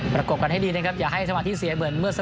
ประกบกันให้ดีนะครับอย่าให้สมาธิเสียเหมือนเมื่อส